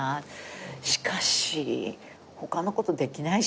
しかし他のことできないしみたいな。